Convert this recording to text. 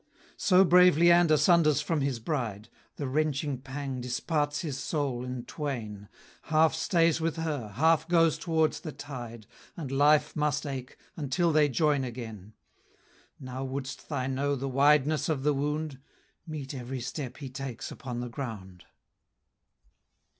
So brave Leander sunders from his bride; The wrenching pang disparts his soul in twain; Half stays with her, half goes towards the tide, And life must ache, until they join again. Now wouldst thou know the wideness of the wound? Mete every step he takes upon the ground.